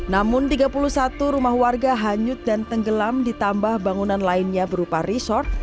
namun tiga puluh satu rumah warga hanyut dan tenggelam ditambah bangunan lainnya berupa resort